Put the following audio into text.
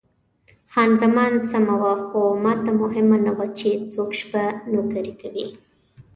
خان زمان سمه وه، خو ماته مهمه نه وه چې څوک شپه نوکري کوي.